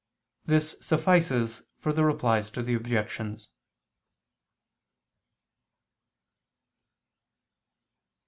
This suffices for the Replies to the Objections.